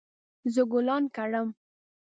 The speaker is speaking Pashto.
زه ګلان کرم